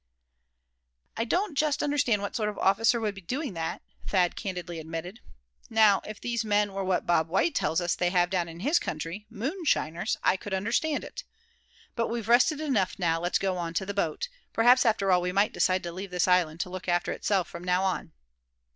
"I don't just understand what sort of officer would be doing that," Thad candidly admitted. "Now, if these men were what Bob White tells us they have down in his country, moonshiners, I could understand it. But we've rested enough now; let's go on to the boat. Perhaps after all, we might decide to leave the island to look after itself from now on."